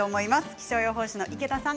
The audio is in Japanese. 気象予報士の池田さん